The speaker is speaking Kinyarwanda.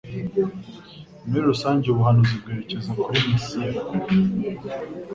Muri rusange ubu buhanuzi bwerekezaga kuri Mesiya;